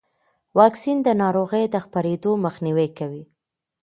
واکسن د ناروغۍ د خپرېدو مخنیوی کوي.